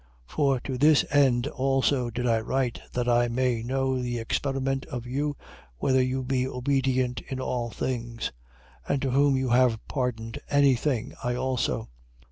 2:9. For to this end also did I write, that I may know the experiment of you, whether you be obedient in all things. 2:10. And to whom you have pardoned any thing, I also.